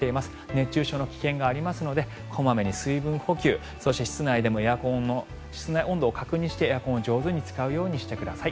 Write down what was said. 熱中症の危険がありますので小まめに水分補給そして室内でもエアコンの室内温度を確認してエアコンを上手に使うようにしてください。